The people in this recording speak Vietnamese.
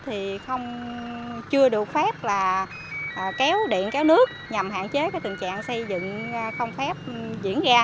thì chưa được phép là kéo điện kéo nước nhằm hạn chế cái tình trạng xây dựng không phép diễn ra